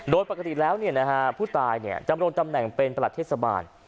โดยปกติแล้วเนี่ยนะฮะผู้ตายเนี่ยจะมารวมตำแหน่งเป็นประหลัดเทศบาล